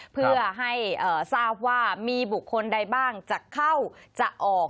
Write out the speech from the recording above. เพื่อให้ทราบว่ามีบุคคลใดบ้างจะเข้าจะออก